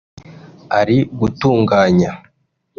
ari gutunganya